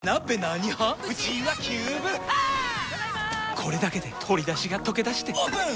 これだけで鶏だしがとけだしてオープン！